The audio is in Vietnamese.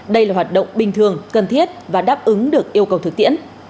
đây là hoạt động bình thường cần thiết và đáp ứng được yêu cầu thực tiễn